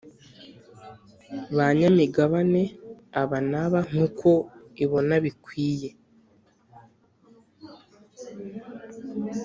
banyamigabane aba n aba nk uko ibona bikwiye